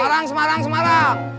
semarang semarang semarang